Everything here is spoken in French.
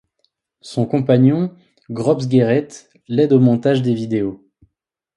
Son compagnon Grobes Geraet l'aide au montage des vidéos.